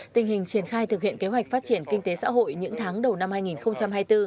tình hình triển khai thực hiện kế hoạch phát triển kinh tế xã hội những tháng đầu năm hai nghìn hai mươi bốn